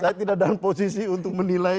saya tidak berini dalam posisi untuk menilai gitu